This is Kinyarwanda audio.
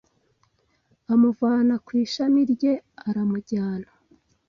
amuvana ku ishami rye aramujyana